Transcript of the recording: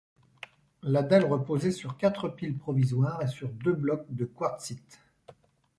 La dalle reposait sur quatre piles provisoires et sur deux blocs de quartzite.